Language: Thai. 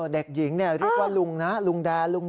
เด็กหญิงเรียกว่าลุงนะลุงแดนลุง